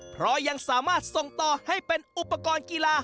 เพราะยังสามารถส่งต่อให้เป็นอุปกรณ์กีฬา